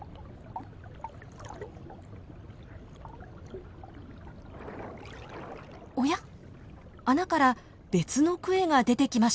おやっ穴から別のクエが出てきました。